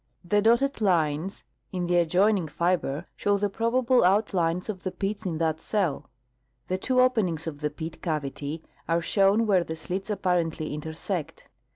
The dotted lines in the adjoining fiber show the probable outlines of the pits in that cell. The two openings of the pit cavity are shown where the slits apparently intersect.